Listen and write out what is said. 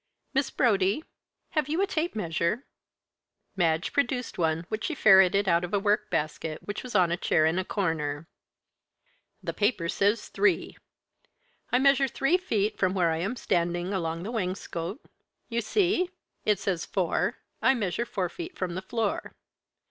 Miss Brodie, have you a tape measure?" Madge produced one which she ferreted out of a work basket which was on a chair in a corner. "The paper says 'three ' I measure three feet from where I am standing, along the wainscot you see? It says 'four' I measure four feet from the floor.